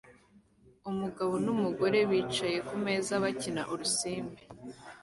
Umugabo numugore bicaye kumeza bakina urusimbi